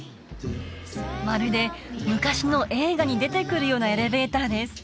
まるで昔の映画に出てくるようなエレベーターです